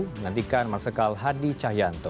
menantikan marsikal hadi cahyanto